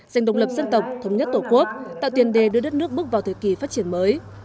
dành đồng lập dân tộc thống nhất tổ quốc tạo tiền đề đưa đất nước bước vào thời kỳ phát triển mới